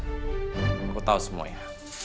aku tau semuanya